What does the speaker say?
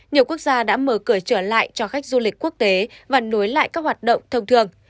nhiều quốc gia đã mở cửa trở lại cho khách du lịch quốc tế và nối lại các hoạt động thông thường